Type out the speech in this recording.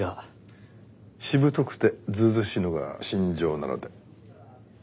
しぶとくてずうずうしいのが身上なので。